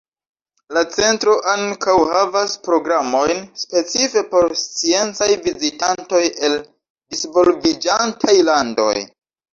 La centro ankaŭ havas programojn specife por sciencaj vizitantoj el divolviĝantaj landoj.